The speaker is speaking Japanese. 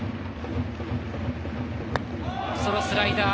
そのスライダー。